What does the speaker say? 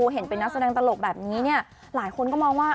เห็นเป็นนักแสดงตลกแบบนี้เนี่ยหลายคนก็มองว่า